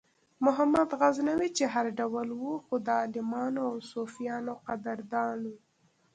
محمود غزنوي چې هر ډول و خو د عالمانو او صوفیانو قدردان و.